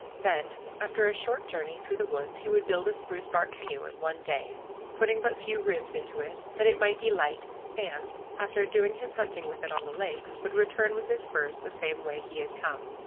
Then, after a short journey through the woods, he would build a spruce bark canoe in one day, putting but few ribs into it, that it might be light, and, after doing his hunting with it on the lakes, would return with his furs the same way he had come.